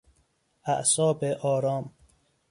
اعصاب آرام